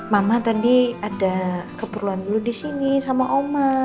mama tadi ada keperluan dulu disini sama oma